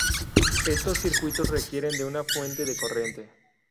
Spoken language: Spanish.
Estos circuitos requieren de una fuente de corriente.